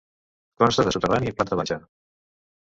Consta de soterrani i planta baixa.